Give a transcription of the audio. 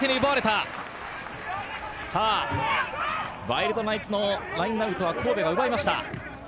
ワイルドナイツのラインアウトは神戸が奪いました。